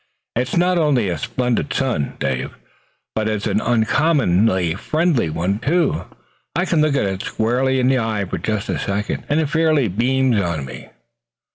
"It's not only a splendid sun, Dave, but it's an uncommonly friendly one too. I can look it squarely in the eye for just a second and it fairly beams on me."